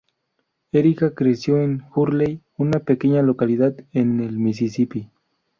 Erica creció en Hurley, una pequeña localidad en el Mississippi.